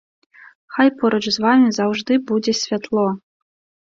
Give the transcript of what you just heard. Хай поруч з вамі заўжды будзе святло!